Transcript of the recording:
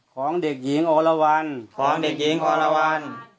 ของเด็กหญิงโอลวัลของเด็กหญิงโอลวัล